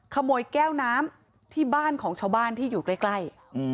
ขโมยแก้วน้ำที่บ้านของชาวบ้านที่อยู่ใกล้